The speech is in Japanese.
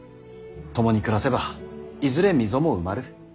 共に暮らせばいずれ溝も埋まる。